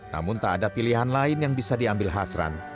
namun tak ada pilihan lain yang bisa diambil hasran